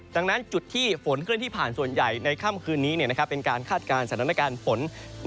ดังนั้นจุดที่ฝนเคลื่อนที่ผ่านส่วนใหญ่ในค่ำคืนนี้เป็นการคาดการณ์สถานการณ์ฝน